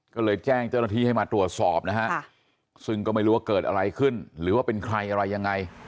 ก็เลยแจ้งเจ้าหน้าที่ให้มาตรวจสอบนะฮะซึ่งก็ไม่รู้ว่าเกิดอะไรขึ้นหรือว่าเป็นใครอะไรยังไง